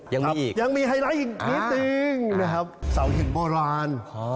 ยังมีอีกนะครับยังมีไฮไลท์นี้จริงนะครับสาวเห็นโบราณ